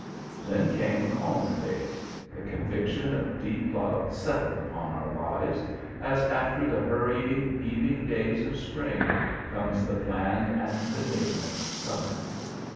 Then came calmer days—the conviction of deep love settled upon our lives—as after the hurrying, heaving days of spring, comes the bland and benignant summer.